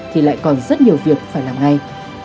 thì lại còn rất nhiều việc phải làm ngay